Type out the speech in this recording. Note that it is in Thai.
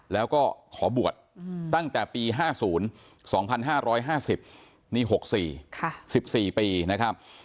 แล้วก็ขอบวชตั้งแต่ปี๕๐๒๕๕๐นี่๖๔๑๔ปีนะครับ